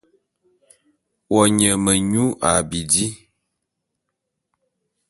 Wo nye menyu a bidi.